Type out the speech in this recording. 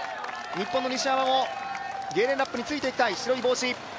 日本の西山もゲーレン・ラップについていきたい、白い帽子。